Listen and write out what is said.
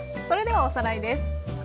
それではおさらいです。